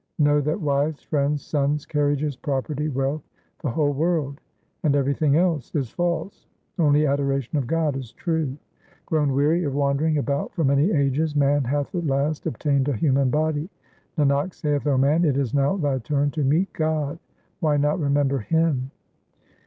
Know that wives, friends, sons, carriages, property, wealth, the whole world, And everything else is false ; only adoration of God is true. Grown weary of wandering about for many ages, man hath at last obtained a human body : Nanak saith, O man, it is now thy turn to meet God ; why not remember Him